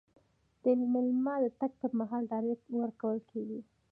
د میلمه د تګ پر مهال ډالۍ ورکول کیږي.